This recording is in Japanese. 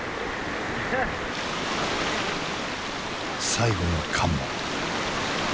最後の関門。